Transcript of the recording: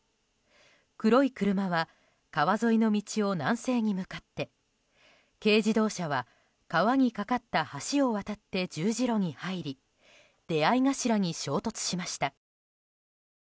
黒い車は川沿いの道を南西に向かって軽自動車は川に架かった橋を渡って十字路に入り出合い頭に衝突しました。